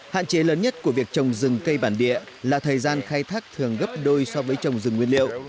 hạn chế lớn nhất của việc trồng rừng cây bản địa là thời gian khai thác thường gấp đôi so với trồng rừng nguyên liệu